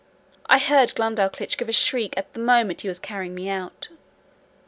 I heard Glumdalclitch give a shriek at the moment he was carrying me out.